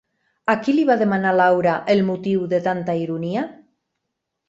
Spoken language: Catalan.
A qui li va demanar Laura el motiu de tanta ironia?